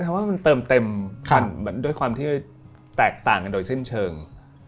ว่ามันเติมเต็มด้วยความที่แตกต่างกันโดยสิ้นเชิง